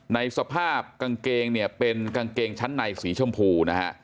ในสภาพกางเกงเนี่ยเป็นกางเกงชั้นในสีชมพูนะฮะ